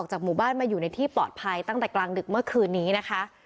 จากหมู่บ้านมาอยู่ในที่ปลอดภัยตั้งแต่กลางดึกเมื่อคืนนี้นะคะ